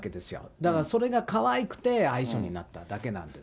だから、それがかわいくて愛称になっただけなんです。